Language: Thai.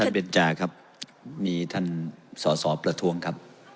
ท่านพิจารณ์ครับมีท่านส่อประท้วงครับ